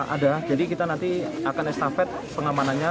ada jadi kita nanti akan estafet pengamanannya